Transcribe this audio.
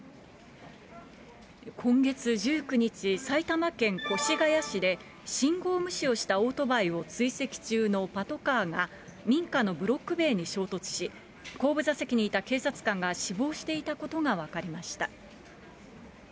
今月１９日、埼玉県越谷市で信号無視をしたオートバイを追跡中のパトカーが、民家のブロック塀に衝突し、後部座席にいた警察官が死亡していたことが分かりました。